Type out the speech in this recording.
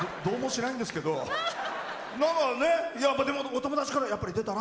なんかね、お友達からやっぱり出たら？